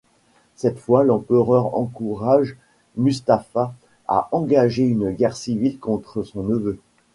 Cette fois l’empereur encourage Mustafa à engager une guerre civile contre son neveu.